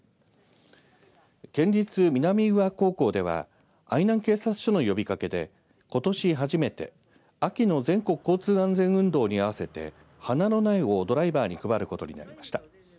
県立南宇和高校では愛南警察署の呼びかけでことし初めて秋の全国交通安全運動に合わせて花の苗をドライバーに配ることになりました。